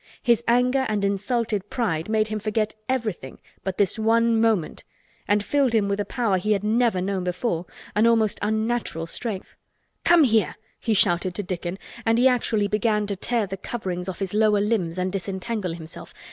His anger and insulted pride made him forget everything but this one moment and filled him with a power he had never known before, an almost unnatural strength. "Come here!" he shouted to Dickon, and he actually began to tear the coverings off his lower limbs and disentangle himself.